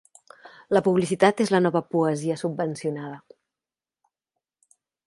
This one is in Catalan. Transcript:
La publicitat és la nova poesia subvencionada.